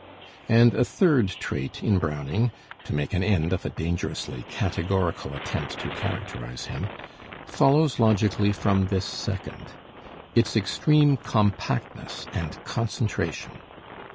And a third trait in Browning to make an end of a dangerously categorical attempt to characterize him follows logically from this second; its extreme compactness and concentration.